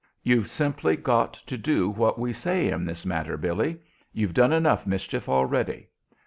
"You've simply got to do as we say in this matter, Billy. You've done enough mischief already."